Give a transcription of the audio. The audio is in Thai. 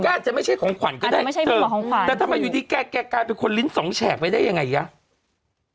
อาจจะไม่ใช่ของขวัญก็ได้แต่ถ้ามาอยู่ที่แกแกกลายเป็นคนลิ้นสองแฉกไว้ได้ยังไง